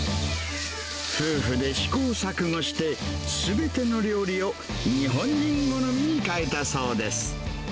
夫婦で試行錯誤して、すべての料理を日本人好みに変えたそうです。